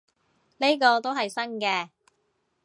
呢個都係新嘅